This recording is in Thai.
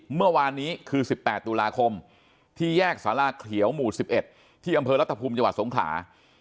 เมื่อวานนี้คือ๑๘ตุลาคมที่แยกสาราเขียวหมู่๑๑ที่อำเภอรัฐภูมิจังหวัดสงขลา